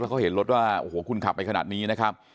แล้วเขาเห็นรถว่าขึ้นขับไปขนาดนี้นะครับ